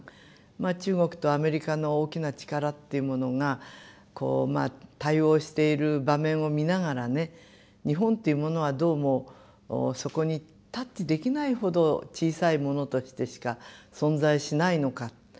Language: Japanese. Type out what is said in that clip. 中国とアメリカの大きな力っていうものが対応している場面を見ながらね日本というものはどうもそこにタッチできないほど小さいものとしてしか存在しないのか。